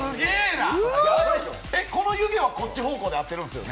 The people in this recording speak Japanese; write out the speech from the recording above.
この湯気はこっち方向で合ってるんですよね？